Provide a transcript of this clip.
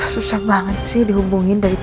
susah banget sih dihubungin dari